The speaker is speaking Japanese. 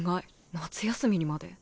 夏休みにまで。